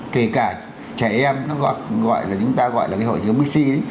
kể cả trẻ em chúng ta gọi là hội chống bức xin